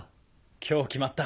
今日決まった。